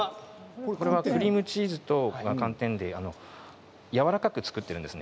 クリームチーズと寒天でやわらかく作ってるんですね。